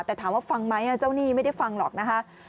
แต่ถามว่าฟังไหมเจ้าหนี้ไม่ได้ฟังหรอกนะคะ